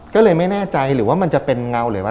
ก็เลยไม่แน่ใจหรือว่ามันจะเป็นเงาหรือว่า